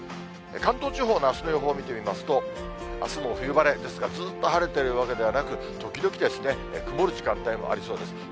関東地方のあすの予報を見てみますと、あすも冬晴れですが、ずっと晴れているわけではなく、時々、曇る時間帯もありそうです。